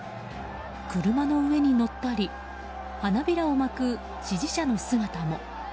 車の上に乗ったり花びらをまく支持者の姿も。